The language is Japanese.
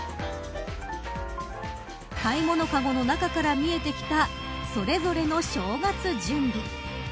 買い物かごの中から見えてきたそれぞれの正月準備。